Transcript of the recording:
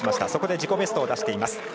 そこで自己ベストを出しています。